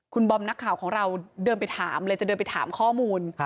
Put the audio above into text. คุณบอมนักข่าวของเราเดินไปถามเลยจะเดินไปถามข้อมูล